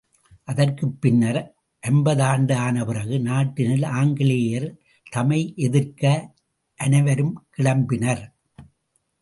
அதற்குப் பின்னர் ஐம்ப தாண்டு ஆன பிறகு நாட்டினில் ஆங்கி லேயர் தமைஎ திர்க்க அனைவரும்கி ளம்பினர்.